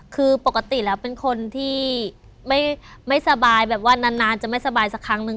คือปกติแล้วเป็นคนที่ไม่สบายแบบว่านานจะไม่สบายสักครั้งนึง